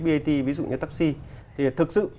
brt ví dụ như taxi thì thực sự